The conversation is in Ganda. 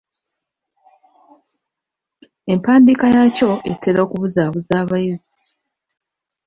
Empandiika yaakyo etera okubuzaabuza abayizi.